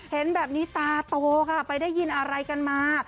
เห็นแบบนี้ตาโตค่ะไปได้ยินอะไรกันมา